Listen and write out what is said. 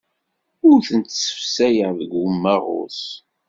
Ur tent-ssefsayeɣ deg umaɣus.